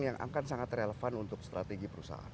yang akan sangat relevan untuk strategi perusahaan